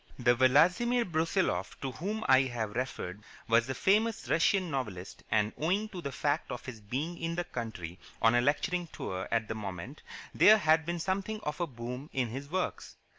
This Vladimir Brusiloff to whom I have referred was the famous Russian novelist, and, owing to the fact of his being in the country on a lecturing tour at the moment, there had been something of a boom in his works.